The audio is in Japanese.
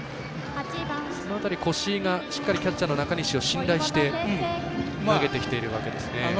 越井がしっかりキャッチャーの中西を信頼して投げてきているわけですね。